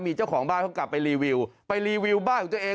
มีเจ้าของบ้านเขากลับไปรีวิวไปรีวิวบ้านของตัวเอง